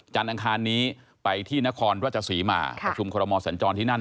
อังคารนี้ไปที่นครราชศรีมาประชุมคอรมอสัญจรที่นั่น